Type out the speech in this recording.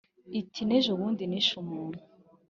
iti "n' ejobundi nishe umuntu !